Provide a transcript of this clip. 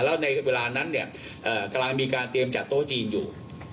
แล้วในเวลานั้นกำลังมีการเตรียมจัดโต๊ะจีนอยู่